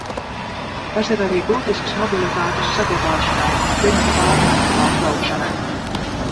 Tas ir arī būtisks mobilitātes saglabāšanai un klimata pārmaiņu pārtraukšanai.